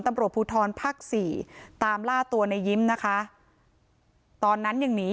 ตำรวจภูทรภาคสี่ตามล่าตัวในยิ้มนะคะตอนนั้นยังหนี